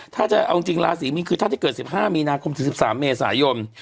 ถ้าจะเอาจริงราศีมีนคือเท่าที่เกิด๑๕มีนาคมถึง๑๓เมษายน